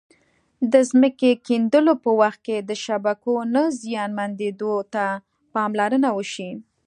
د ځمکې کیندلو په وخت کې د شبکو نه زیانمنېدو ته پاملرنه وشي.